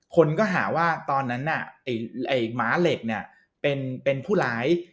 คนก็หาว่าตอนนั้นม้าเหล็กเป็นผู้ร้าย